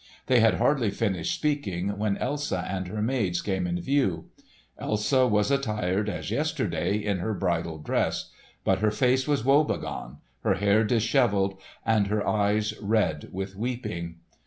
They had hardly finished speaking when Elsa and her maids came in view. Elsa was attired, as yesterday, in her bridal dress, but her face was woebegone, her hair dishevelled and her eyes red with weeping.